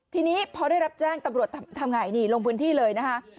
ทีนี้พอได้รับแจ้งตำรวจทำไงนี่ลงพื้นที่เลยนะคะ